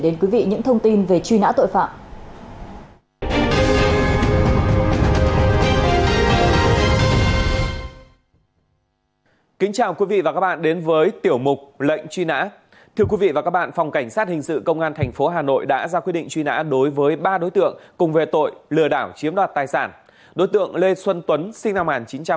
đến quý vị những thông tin về truy nã tội phạm tiếp theo biên tập viên thầy cương sẽ chuyển đến quý vị những thông tin về truy nã tội phạm